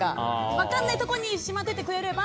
分からないところにしまっておいてくれれば。